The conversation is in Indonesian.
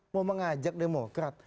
mau mengajak demokrat